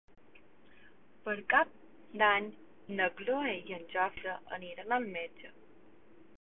Per Cap d'Any na Cloè i en Jofre aniran al metge.